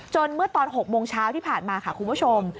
เมื่อตอน๖โมงเช้าที่ผ่านมาค่ะคุณผู้ชม